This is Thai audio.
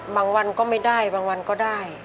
วันก็ไม่ได้บางวันก็ได้